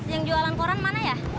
yang jualan koran mana ya